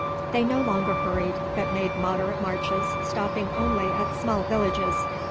They no longer hurried, but made moderate marches, stopping only at small villages.